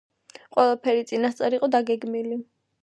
ყველაფერი წინასწარ იყო დაგეგმილი.